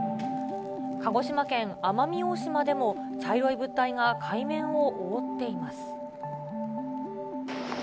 鹿児島県奄美大島でも茶色い物体が海面を覆っています。